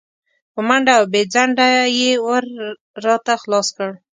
په منډه او بې ځنډه یې ور راته خلاص کړ.